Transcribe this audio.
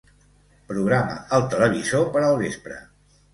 Programa el televisor per al vespre.